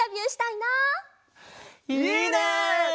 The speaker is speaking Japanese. いいね！